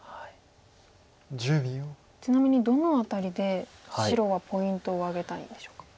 ちなみにどの辺りで白はポイントを挙げたいんでしょうか。